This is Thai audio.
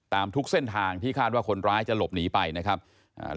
ทุกเส้นทางที่คาดว่าคนร้ายจะหลบหนีไปนะครับอ่า